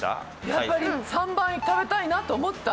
やっぱり３番食べたいなと思った。